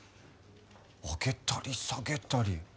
上げたり下げたり。